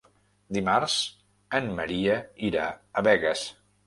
Dimarts en Maria irà a Begues.